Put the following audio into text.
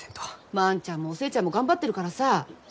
万ちゃんもお寿恵ちゃんも頑張ってるからさ。